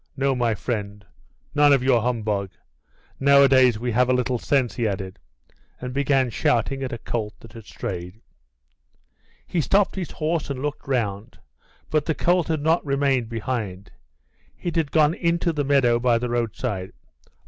No, my friend, none of your humbug. Nowadays we have a little sense," he added, and began shouting at a colt that had strayed. He stopped his horse and looked round, but the colt had not remained behind; it had gone into the meadow by the roadside.